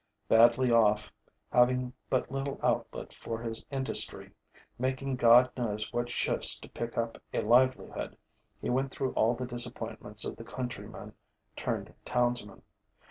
Badly off, having but little outlet for his industry, making God knows what shifts to pick up a livelihood, he went through all the disappointments of the countryman turned townsman.